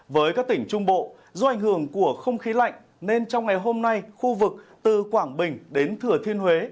với các tỉnh trung bộ do ảnh hưởng của không khí lạnh nên trong ngày hôm nay khu vực từ quảng bình đến thừa thiên huế